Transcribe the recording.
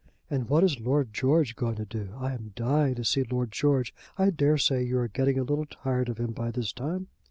and what is Lord George going to do? I am dying to see Lord George. I dare say you are getting a little tired of him by this time."